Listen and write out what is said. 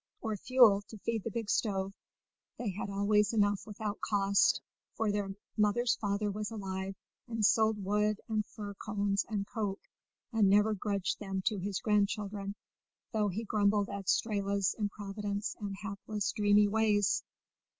Or fuel to feed the big stove they had always enough without cost, for their mother's father was alive, and sold wood and fir cones and coke, and never grudged them to his grandchildren, though he grumbled at Strehla's improvidence and hapless, dreamy ways.